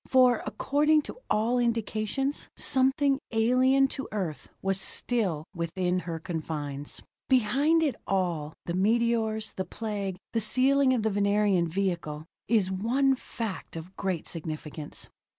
For, according to all indications, something alien to Earth was still within her confines. Behind it all the meteors, the Plague, the sealing of the Venerian vehicle is one fact of great significance.